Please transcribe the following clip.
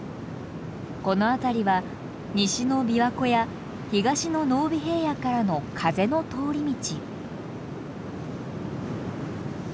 この辺りは西の琵琶湖や東の濃尾平野からの風の通り道。